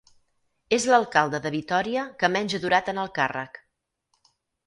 És l'alcalde de Vitòria que menys ha durat en el càrrec.